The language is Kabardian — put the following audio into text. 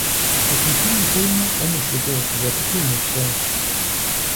Утыншыну ухуеймэ, фӀым ущыгугъ зэпыту умыпсэу.